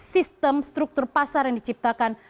sistem struktur pasar yang diciptakan